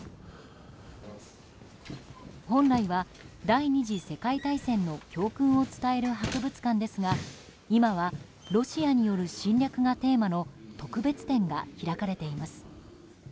本来は、第２次世界大戦の教訓を伝える博物館ですが今はロシアによる侵略がテーマの特別展が開かれています。